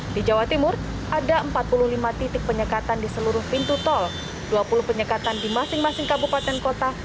di jawa timur ada empat puluh lima titik penyekatan di seluruh pintu tol dua puluh penyekatan di masing masing kabupaten kota